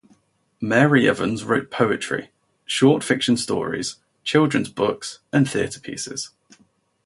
Mari Evans wrote poetry, short fiction stories, children's books, and theater pieces.